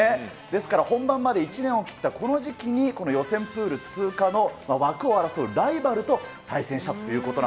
ですから本番まで１年を切ったこの時期に、この予選プール通過の枠を争うライバルと対戦したということ